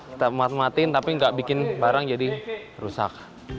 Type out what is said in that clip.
kita mat matin tapi nggak bikin barang jadi rusak